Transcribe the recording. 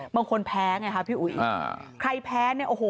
บางคนแพ้ไงคะพี่อุ๋ยอ่าใครแพ้เนี่ยโอ้โห